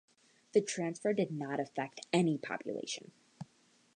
The transfer did not affect any population.